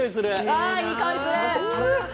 ああいい香りする！